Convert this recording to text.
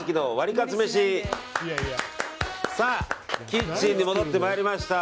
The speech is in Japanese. キッチンに戻ってまいりました。